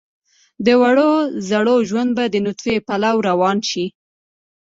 د وړو زړو ژوند به د نطفې پلو روان شي.